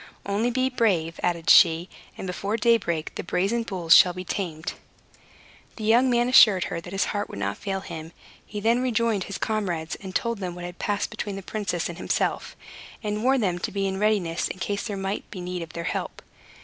"Only be brave," added she, "and before daybreak the brazen bulls shall be tamed." The young man assured her that his heart would not fail him. He then rejoined his comrades, and told them what had passed between the princess and himself, and warned them to be in readiness in case there might be need of their help.